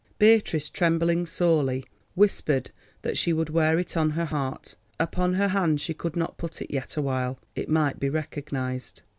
Beatrice, trembling sorely, whispered that she would wear it on her heart, upon her hand she could not put it yet awhile—it might be recognised.